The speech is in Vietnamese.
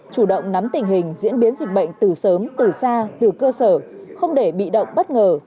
chủ động nắm tình hình diễn biến dịch bệnh từ sớm từ xa từ cơ sở không để bị động bất ngờ